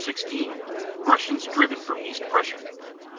16 Russians driven from East Prussia.